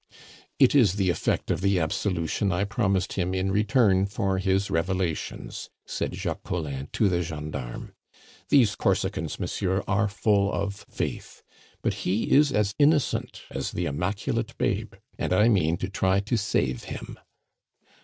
"It is the effect of the absolution I promised him in return for his revelations," said Jacques Collin to the gendarme. "These Corsicans, monsieur, are full of faith! But he is as innocent as the Immaculate Babe, and I mean to try to save him."